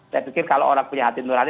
saya pikir kalau orang punya hati nurani